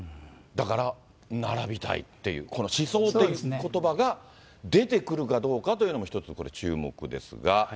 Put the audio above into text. だから並びたいっていう、この思想ということばが出てくるかどうかというのも、一つ、これ注目ですが。